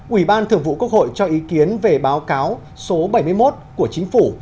ủy ban thường vụ quốc hội cho ý kiến về báo cáo số bảy mươi một của chính phủ